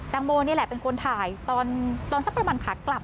แตงโมนี่แหละเป็นคนถ่ายตอนทรัพย์ประหวังขาดกลับ